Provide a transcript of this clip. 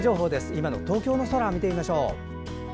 今の東京の空を見てみましょう。